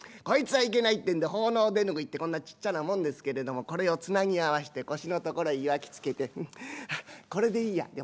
「こいつはいけない」ってんで奉納手拭いってこんなちっちゃなもんですけれどもこれをつなぎ合わして腰のところへ結わきつけて「うんこれでいいや」。